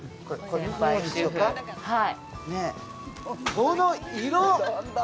この色！